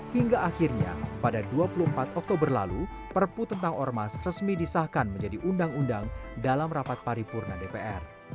hingga akhirnya pada dua puluh empat oktober lalu perpu tentang ormas resmi disahkan menjadi undang undang dalam rapat paripurna dpr